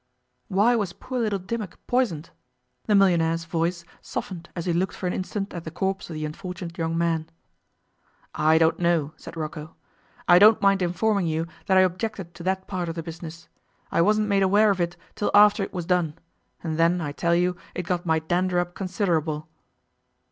'Why was poor little Dimmock poisoned?' The millionaire's voice softened as he looked for an instant at the corpse of the unfortunate young man. 'I don't know,' said Rocco. 'I don't mind informing you that I objected to that part of the business. I wasn't made aware of it till after it was done, and then I tell you it got my dander up considerable.